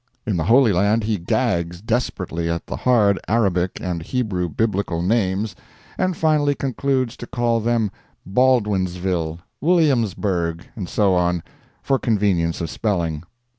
In the Holy Land he gags desperately at the hard Arabic and Hebrew Biblical names, and finally concludes to call them Baldwinsville, Williamsburgh, and so on, "for convenience of spelling."